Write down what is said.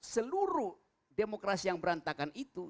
seluruh demokrasi yang berantakan itu